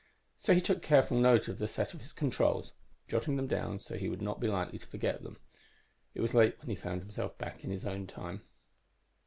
So he took careful note of the set of his controls, jotting them down so that he would not be likely to forget them._ _It was late when he found himself back in his own time.